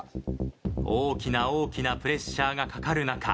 大きな大きなプレッシャーがかかる中。